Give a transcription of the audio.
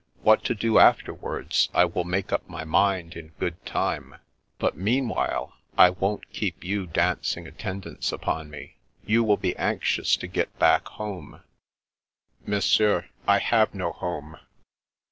What to do afterwards I will make up my mind in good time, but meanwhile, The Vanishing of the Prince 319 I won't keep you dancing attendance upon me. You will be anxious to get back home "" Monsieur, I have no home."